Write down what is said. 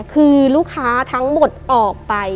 คือลูกค้าทั้งหมดออกไป